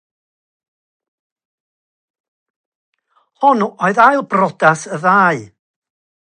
Hon oedd ail briodas y ddau.